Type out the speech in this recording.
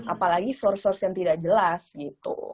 apalagi source source yang tidak jelas gitu